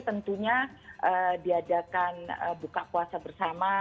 tentunya diadakan buka puasa bersama